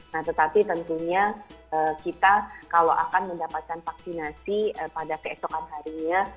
nah tetapi tentunya kita kalau akan mendapatkan vaksinasi pada keesokan harinya